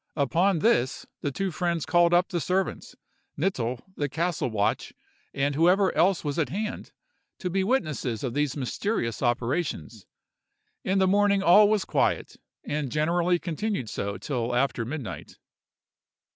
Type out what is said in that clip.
Upon this, the two friends called up the servants, Knittel, the castle watch, and whoever else was at hand, to be witnesses of these mysterious operations. In the morning all was quiet, and generally continued so till after midnight.